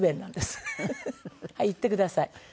はい言ってください。